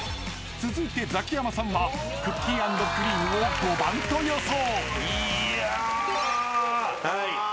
［続いてザキヤマさんはクッキーアンドクリームを５番と予想］